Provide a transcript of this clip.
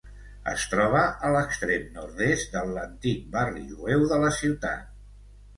Es troba a l'extrem nord-est de l'antic barri jueu de la ciutat.